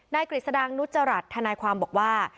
นายกริษดังนุจจรัฐท่านายความบอกว่า